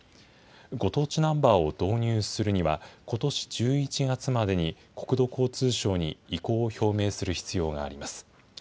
ご当地ナンバーを導入するには、ことし１１月までに、国土交通省に意向を表明する必要があります。